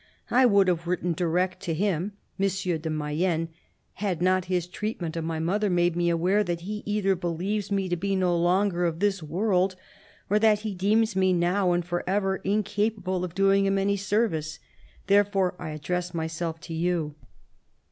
I would have written direct to him (M. de Mayenne) had not his treatment of my mother made me aware that he either believes me to be no longer of this world or that he deems me now and for ever incapable of doing him any service. Therefore I address myself to you.